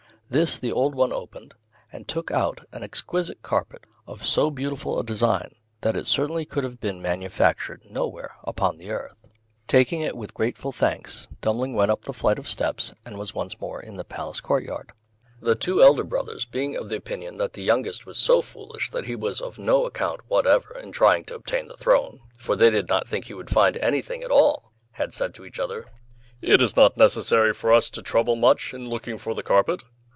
This the old one opened, and took out an exquisite carpet, of so beautiful a design, that it certainly could have been manufactured nowhere upon the earth. Taking it with grateful thanks, Dummling went up the flight of steps, and was once more in the Palace courtyard. The two elder brothers, being of the opinion that the youngest was so foolish that he was of no account whatever in trying to obtain the throne, for they did not think he would find anything at all, had said to each other: "It is not necessary for us to trouble much in looking for the carpet!"